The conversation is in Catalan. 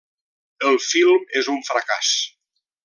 El film és un fracàs.